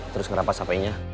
terus ngerapas hpnya